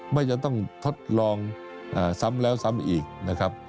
ไม่จะต้องทดลองซ้ำแล้วซ้ำอีกนะครับ